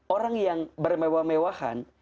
orang yang bermewah mewahan